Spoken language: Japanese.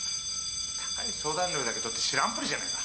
高い相談料だけ取って知らんぷりじゃないか！